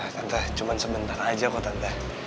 tante cuman sebentar aja kok tante